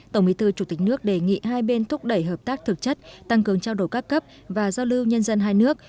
tổng bí thư chủ tịch nước đề nghị hai bên thúc đẩy hợp tác thực chất tăng cường trao đổi các cấp và giao lưu nhân dân hai nước